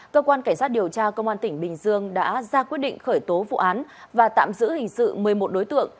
cơ quan cảnh sát điều tra công an tỉnh bình dương đã ra quyết định khởi tố vụ án và tạm giữ hình sự một mươi một đối tượng